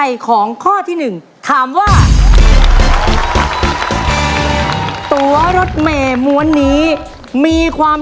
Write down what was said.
แล้ววันนี้ผมมีสิ่งหนึ่งนะครับที่อยากจะมอบให้พี่สมศีลนะครับเป็นตัวแทนกำลังใจจากผมเล็กน้อยครับก็คือกีต้าตัวนี้นะครับ